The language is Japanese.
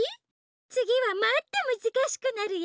つぎはもっとむずかしくなるよ。